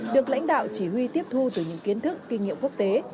được lãnh đạo chỉ huy tiếp thu từ những kiến thức kinh nghiệm quốc tế